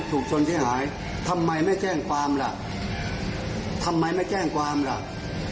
ถูกชนเสียหายทำไมไม่แจ้งความล่ะทำไมไม่แจ้งความล่ะ